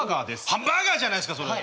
ハンバーガーじゃないすかそれ。